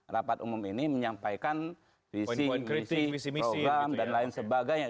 rapat umum ini menyampaikan visi misi program dan lain sebagainya